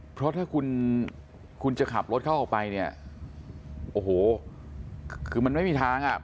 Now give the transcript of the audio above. เพราะถ้าคุณคุณจะขับรถเขาออกไปเนี่ยโอ้โหคือมันไม่มีทางอ่ะ